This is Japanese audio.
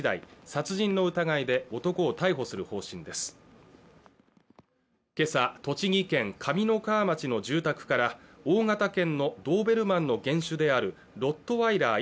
殺人の疑いで男を逮捕する方針ですけさ栃木県上三川町の住宅から大型犬のドーベルマンの原種であるロットワイラー